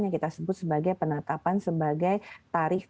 yang kita sebut sebagai penetapan sebagai tarikh blu